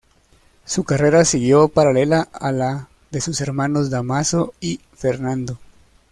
Su carrera siguió paralela a la de sus hermanos Dámaso y Fernando.